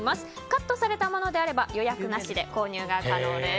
カットされたものであれば予約なしで購入可能です。